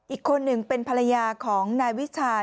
อีกคนหนึ่งเป็นภรรยาของนายวิชา